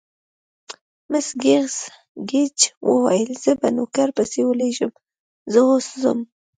مس ګېج وویل: زه به نوکر پسې ولېږم، زه اوس ځم.